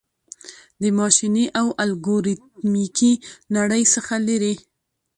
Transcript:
د ماشیني او الګوریتمیکي نړۍ څخه لیري